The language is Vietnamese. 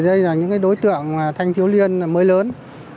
đây là những đối tượng thanh thiếu niên mới lớn